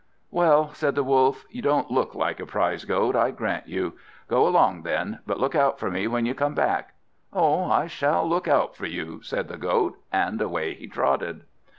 "Well," said the Wolf, "you don't look like a prize Goat, I grant you. Go along then, but look out for me when you come back." "Oh, I shall look out for you!" said the Goat, and away he trotted.